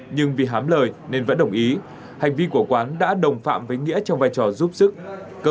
nhưng vì hám lời nên vẫn đồng ý hành vi của quán đã đồng phạm với nghĩa trong vai trò giúp sức